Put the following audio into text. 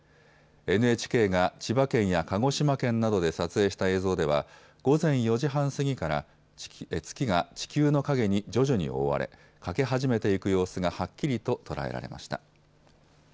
ＮＨＫが千葉県や鹿児島県などで撮影した映像では午前４時半過ぎから月が地球の影に徐々に覆われ欠け始めていく様子がはっきりと捉えられました。